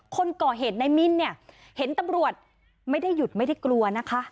คนก่อเหตุในมิ้นเนี่ยเห็นตำรวจไม่ได้หยุดไม่ได้กลัวนะคะ